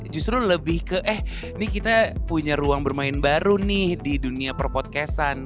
justru lebih ke eh ini kita punya ruang bermain baru nih di dunia per podcastan